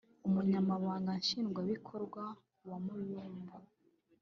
Umunyamabanga nshingwabikorwa wa Muyumbu